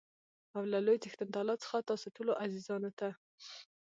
او له لوى څښتن تعالا څخه تاسو ټولو عزیزانو ته